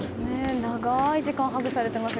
長い時間ハグされていました。